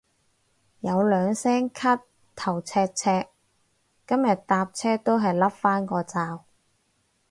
有兩聲咳頭赤赤，今日搭車都係笠返個罩